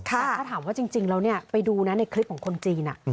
ถ้าถามว่าจริงเราไปดูในคลิปของคนจีน